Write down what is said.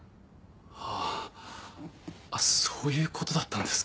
ああそういう事だったんですか。